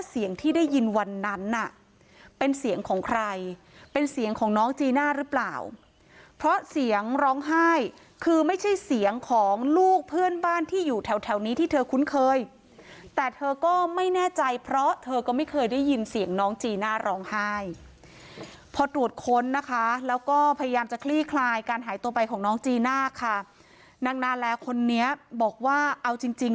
เสียงที่ได้ยินวันนั้นน่ะเป็นเสียงของใครเป็นเสียงของน้องจีน่าหรือเปล่าเพราะเสียงร้องไห้คือไม่ใช่เสียงของลูกเพื่อนบ้านที่อยู่แถวแถวนี้ที่เธอคุ้นเคยแต่เธอก็ไม่แน่ใจเพราะเธอก็ไม่เคยได้ยินเสียงน้องจีน่าร้องไห้พอตรวจค้นนะคะแล้วก็พยายามจะคลี่คลายการหายตัวไปของน้องจีน่าค่ะนางนาแลคนนี้บอกว่าเอาจริงจริง